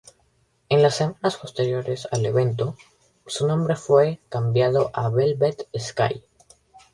En las semanas posteriores al evento, su nombre fue cambiado a Velvet Sky.